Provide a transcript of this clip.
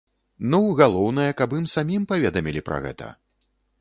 Ну, галоўнае, каб ім самім паведамілі пра гэта.